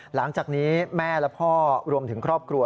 หลังจากนี้แม่และพ่อรวมถึงครอบครัว